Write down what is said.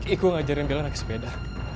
igo ngajarin bella naik sepeda